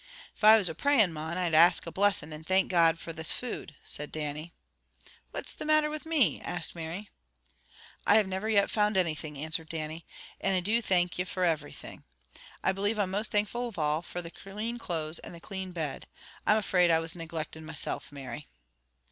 "If I was a praying mon, I'd ask a blessing, and thank God fra this food," said Dannie. "What's the matter with me?" asked Mary. "I have never yet found anything," answered Dannie. "And I do thank ye fra everything. I believe I'm most thankful of all fra the clean clothes and the clean bed. I'm afraid I was neglectin' myself, Mary."